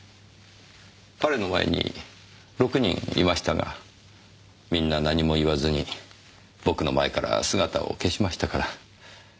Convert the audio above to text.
彼の前に６人いましたがみんな何も言わずに僕の前から姿を消しましたから。